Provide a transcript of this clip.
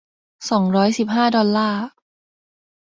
สองร้อยสิบห้า ดอลลาร์